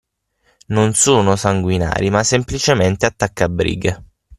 Non sono sanguinari ma semplicemente attaccabrighe.